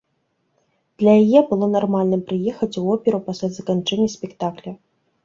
Для яе было нармальным прыехаць у оперу пасля заканчэння спектакля.